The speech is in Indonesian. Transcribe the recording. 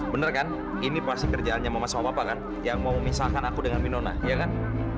bener kan ini pasti kerjaannya mama sama papa kan yang mau memisahkan aku dengan minona ya kan